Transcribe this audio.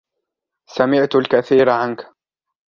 سمعت الكثير عنك.